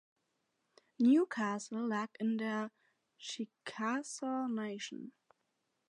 Newcastle lag in der Chickasaw Nation.